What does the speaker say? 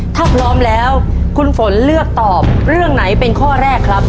ถ้าพร้อมแล้วคุณฝนเลือกตอบเรื่องไหนเป็นข้อแรกครับ